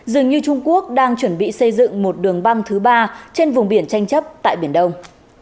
dường như trung quốc đang chuẩn bị xây dựng một đường băng thứ ba trên vùng biển tranh chấp tại biển đông